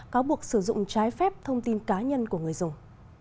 cáo buộc sử dụng trái phép thông tin cá nhân của người dùng